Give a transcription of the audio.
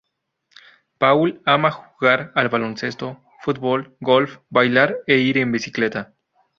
Paul ama jugar al baloncesto, fútbol, golf, bailar e ir en bicicleta.